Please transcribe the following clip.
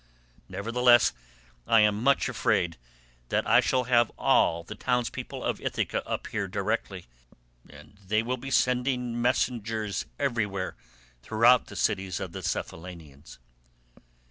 Nevertheless, I am much afraid that I shall have all the townspeople of Ithaca up here directly, and they will be sending messengers everywhere throughout the cities of the Cephallenians."